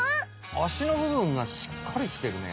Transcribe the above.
アシのぶぶんがしっかりしてるね。